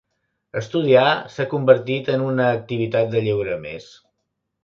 Estudiar s'ha convertit en una activitat de lleure més.